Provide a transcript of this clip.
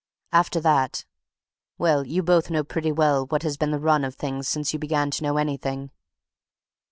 After that well, you both know pretty well what has been the run of things since you began to know anything.